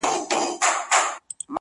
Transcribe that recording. په قصاب چي دي وس نه رسېږي وروره-